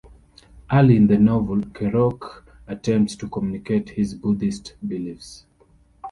Early in the novel, Kerouac attempts to communicate his Buddhist beliefs.